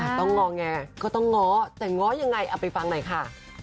ต้องงอแงก็ต้องง้อแต่ง้อยังไงเอาไปฟังหน่อยค่ะ